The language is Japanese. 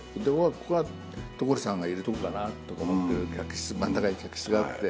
ここが所さんがいるとこかなと思ってる客室真ん中にあって。